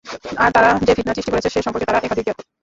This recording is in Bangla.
আর তারা যে ফিতনা সৃষ্টি করেছে সে সম্পর্কে তারা সমধিক জ্ঞাত।